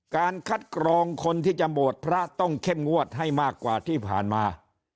การคัดกรองคนที่จะบวชพระต้องเข้มงวดให้มากกว่าที่ผ่านมา